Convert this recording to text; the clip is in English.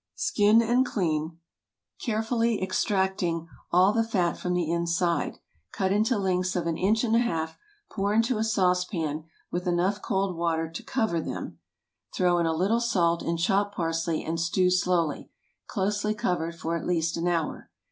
Skin and clean, carefully extracting all the fat from the inside. Cut into lengths of an inch and a half; put into a saucepan, with enough cold water to cover them; throw in a little salt and chopped parsley, and stew slowly, closely covered, for at least an hour.